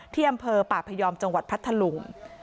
ที่อำเภอป่าพยอมจังหวัดพัทธลุง